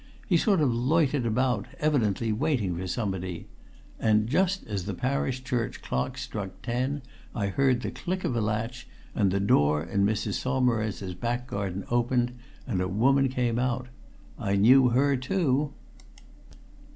He sort of loitered about, evidently waiting for somebody. And just as the parish church clock struck ten I heard the click of a latch, and the door in Mrs. Saumarez's back garden opened, and a woman came out! I knew her too."